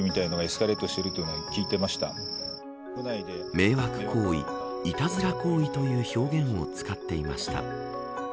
迷惑行為、いたずら行為という表現を使っていました。